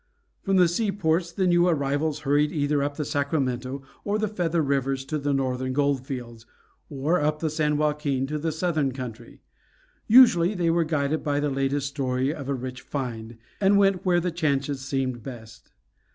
From the seaports the new arrivals hurried either up the Sacramento and the Feather Rivers to the northern gold fields, or up the San Joaquin to the southern country. Usually they were guided by the latest story of a rich find, and went where the chances seemed best.